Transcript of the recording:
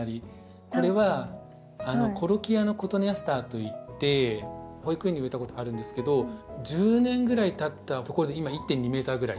これはコロキアのコトネアスターといって保育園に植えたことがあるんですけど１０年ぐらいたったところで今１．２ｍぐらい。